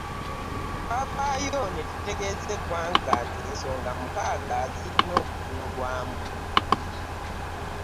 Twavaayo ne tutegeeza eggwanga nti ensonga mukaaga zirina okutunulwamu.